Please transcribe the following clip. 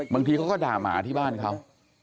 บางทีเขาก็ด่าหมาที่บ้านเขา